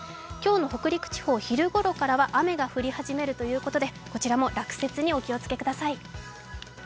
今日の北陸地方、昼ごろからは雨が降り始めるということでこちらも落雪にお気をつけください。